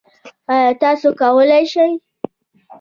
ایا تاسو کولی شئ؟